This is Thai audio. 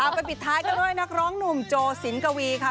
ไปปิดท้ายกันด้วยนักร้องหนุ่มโจสินกวีค่ะ